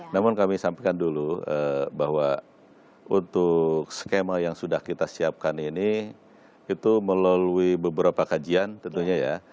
namun kami sampaikan dulu bahwa untuk skema yang sudah kita siapkan ini itu melalui beberapa kajian tentunya ya